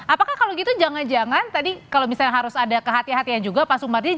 apakah kalau gitu jangan jangan tadi kalau misalnya harus ada kehatian kehatian juga pak sumardi